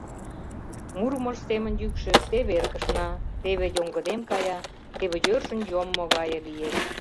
Мурымыж семын йӱкшӧ теве эркышна, теве йоҥгыдем кая, теве йӧршын йоммо гае лиеш.